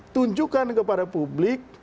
tunjukkan kepada publik